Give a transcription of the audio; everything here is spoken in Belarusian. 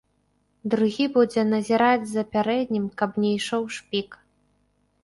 Другі будзе назіраць за пярэднім, каб не ішоў шпік.